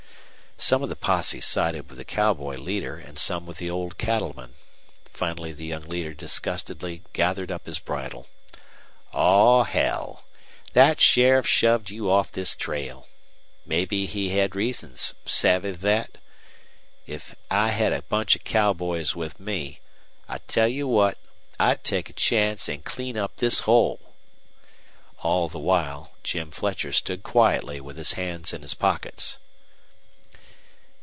Some of the posse sided with the cowboy leader and some with the old cattleman. Finally the young leader disgustedly gathered up his bridle. "Aw, hell! Thet sheriff shoved you off this trail. Mebbe he hed reasons Savvy thet? If I hed a bunch of cowboys with me I tell you what I'd take a chance an' clean up this hole!" All the while Jim Fletcher stood quietly with his hands in his pockets.